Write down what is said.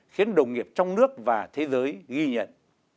khiến đồng nghiệp trong nước và thế giới ghi nhận